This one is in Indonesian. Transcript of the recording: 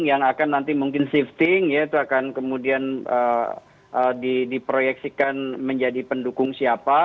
yang akan nanti mungkin shifting ya itu akan kemudian diproyeksikan menjadi pendukung siapa